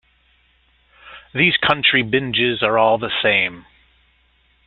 These country binges are all the same.